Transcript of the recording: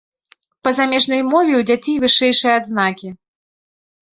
Па замежнай мове ў дзяцей вышэйшыя адзнакі.